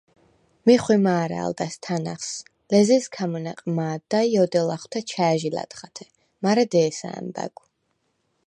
მი ხვიმა̄რა̄ლდა̈ს თანა̈ღს, ლეზიზ ქამჷნა̈ყ მა̄დდა ი ოდე ლახვთე ჩა̈ჟ ლა̈ტხათე, მარე დე̄სა ა̈მბა̈გვ.